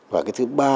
và cái thứ ba